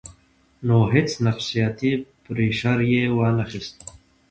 نو هېڅ نفسياتي پرېشر ئې وانۀ خستۀ -